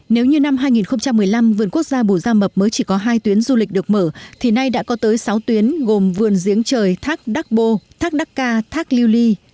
nếu như năm hai nghìn một mươi năm vườn quốc gia bù gia mập mới chỉ có hai tuyến du lịch được mở thì nay đã có tới sáu tuyến gồm vườn diếng trời thác đắc bô thác đắc ca thác liêu ly